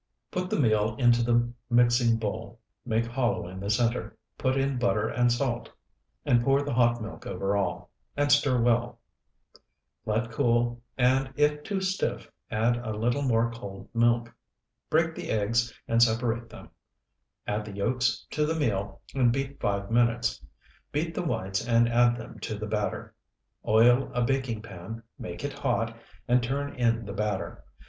Put the meal into the mixing bowl, make hollow in the center, put in butter and salt, and pour the hot milk over all, and stir well. Let cool, and if too stiff, add a little more cold milk. Break the eggs and separate them; add the yolks to the meal and beat five minutes. Beat the whites and add them to the batter. Oil a baking pan, make it hot, and turn in the batter.